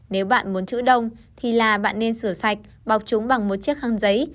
nếu bạn muốn chữ đông thì là bạn nên sửa sạch bọc chúng bằng một chiếc khăn giấy